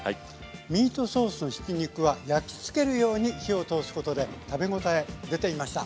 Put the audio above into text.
ミートソースのひき肉は焼きつけるように火を通すことで食べ応え出ていました。